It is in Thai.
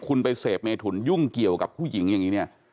คุณไปเสพเมถุนยุ่งเกี่ยวกับผู้หญิงอย่างนี้เนี่ย